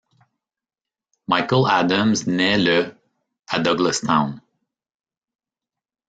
Michael Adams naît le à Douglastown.